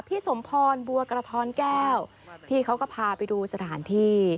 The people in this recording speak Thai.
สมพรบัวกระท้อนแก้วพี่เขาก็พาไปดูสถานที่